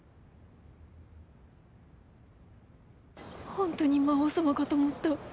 ほんとに魔王様かと思った。